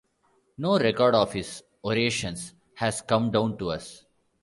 No record of his orations has come down to us.